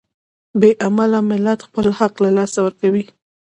بې علمه ملت خپل حق له لاسه ورکوي.